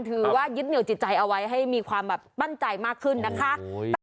ถือว่ายึดเหนียวจิตใจเอาไว้ให้มีความแบบมั่นใจมากขึ้นนะคะ